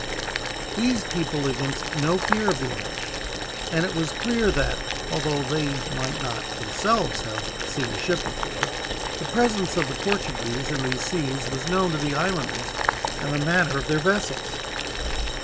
These people evinced no fear of the English, and it was clear that, although they might not themselves have seen a ship before, the presence of the Portuguese in these seas was known to the islanders, and the manner of their vessels.